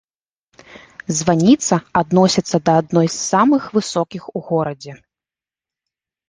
Званіца адносіцца да адной з самых высокіх у горадзе.